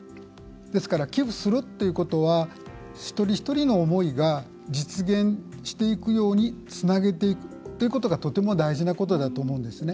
ですから、寄付するということは一人一人の思いが実現していくようにつなげていくということがとても大事なことだと思うんですね。